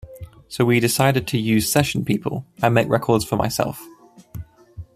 So we decided to use session people." "I make records for myself.